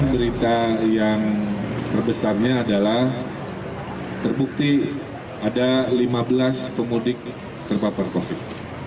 berita yang terbesarnya adalah terbukti ada lima belas pemudik terpapar covid